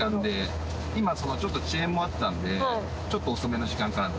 今遅延もあったんでちょっと遅めの時間からの。